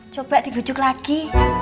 coba dibujuk lagi